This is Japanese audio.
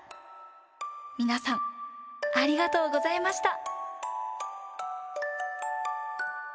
みなさんありがとうございました。